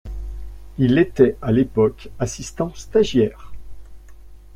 Il était à l'époque assistant stagiaire.